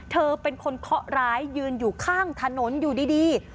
เธอเป็นคนเคาะร้ายยืนอยู่ข้างถนนอยู่ดี